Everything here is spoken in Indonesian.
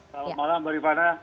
selamat malam bapak iman